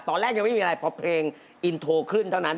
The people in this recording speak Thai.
ตอนแรกยังไม่มีอะไรพอเพลงอินโทรขึ้นเท่านั้น